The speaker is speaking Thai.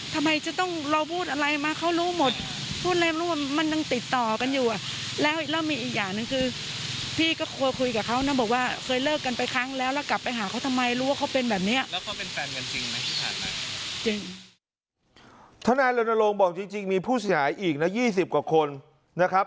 ทนายรณรงค์บอกจริงมีผู้เสียหายอีกนะ๒๐กว่าคนนะครับ